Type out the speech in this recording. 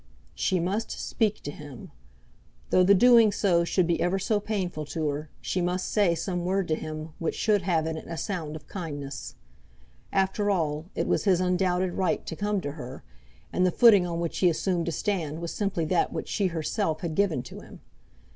She must speak to him! Though the doing so should be ever so painful to her, she must say some word to him which should have in it a sound of kindness. After all, it was his undoubted right to come to her, and the footing on which he assumed to stand was simply that which she herself had given to him.